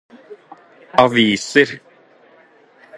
aviser